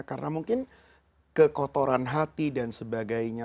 karena mungkin kekotoran hati dan sebagainya